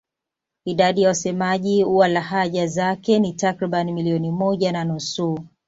Idadi ya wasemaji wa lahaja zake ni takriban milioni moja na nusu.